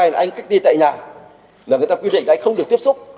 và thứ hai là anh cách ly tại nhà là người ta quy định anh không được tiếp xúc